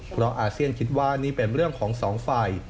เพราะอาเซียนคิดว่านี่เป็นเรื่องของสองฝ่าย